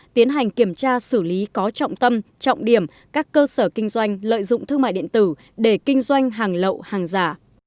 tiến hành kiểm tra xử lý có trọng tâm trọng điểm các cơ sở kinh doanh lợi dụng thương mại điện tử để kinh doanh hàng lậu hàng giả